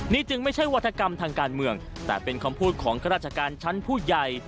นี่จึงไม่ใช่วัฒกรรมทางการเมืองแต่เป็นคำพูดของข้าราชการชั้นผู้ใหญ่